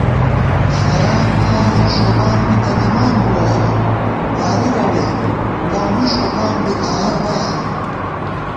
خیال نیازے ݭوبان بی تہ دِمان بُوَہ خو ، واری رَوے لؤ می ݭوبان بی آیہ بَیا